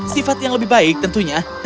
sifat yang lebih baik tentunya